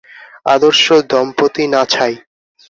আদর্শ দম্পতি না ছাই!